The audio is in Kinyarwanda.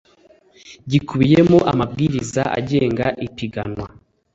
gikubiyemo amabwiriza agenga ipiganwa